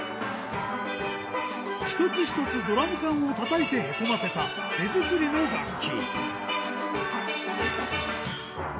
一つ一つドラム缶をたたいてへこませた手作りの楽器。